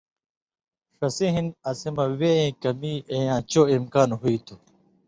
ݜسی ہِن اسی مہ وے ایں کمی اېیاں چو امکان ہُوی تُھو۔